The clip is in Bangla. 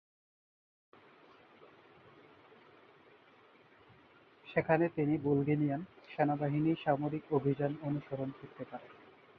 সেখানে তিনি বুলগেরিয়ান সেনাবাহিনীর সামরিক অভিযান অনুসরণ করতে পারেন।